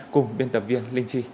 cùng biên tập viên linh chi